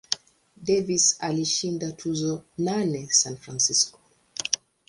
Davis alishinda tuzo nane San Francisco.